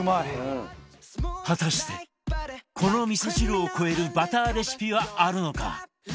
果たしてこの味噌汁を超えるバターレシピはあるのか？